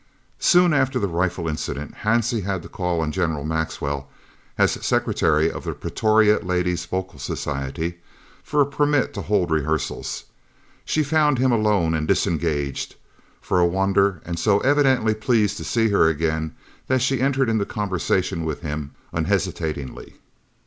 Soon after the rifle incident Hansie had to call on General Maxwell, as Secretary of the Pretoria Ladies' Vocal Society, for a permit to hold rehearsals. She found him alone and disengaged, for a wonder, and so evidently pleased to see her again that she entered into conversation with him unhesitatingly.